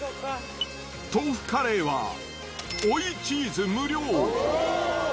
豆腐カレーは追いチーズ無料。